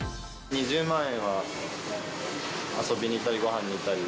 ２０万円は、遊びに行ったり、ごはんに行ったり。